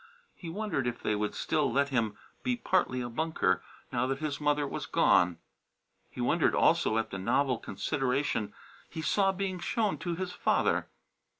He wondered if they would still let him be partly a Bunker, now that his mother was gone. He wondered also at the novel consideration he saw being shown to his father.